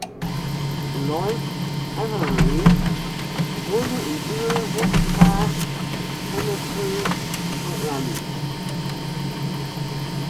Lloyd Avery wurde im Inglewood Park Cemetery beerdigt.